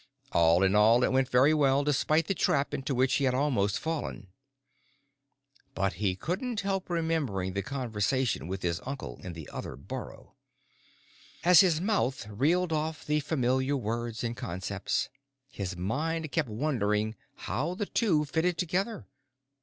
_"All in all, it went very well, despite the trap into which he had almost fallen. But he couldn't help remembering the conversation with his uncle in the other burrow. As his mouth reeled off the familiar words and concepts, his mind kept wondering how the two fitted together.